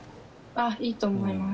いいと思います